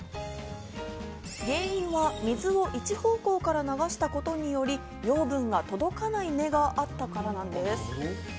原因は水を一方向から流したことにより、養分が届かない根があったことからです。